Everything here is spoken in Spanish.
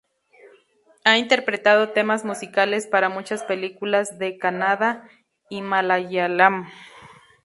Ha interpretado temas musicales para muchas películas de kannada y malayalam.